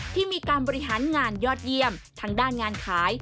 ที่มีการบริหารงานยอดเยี่ยมทางด้านงานขาย